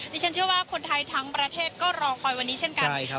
ฉันเชื่อว่าคนไทยทั้งประเทศก็รอคอยวันนี้เช่นกัน